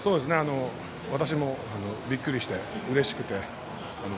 私もビックリしてうれしくて。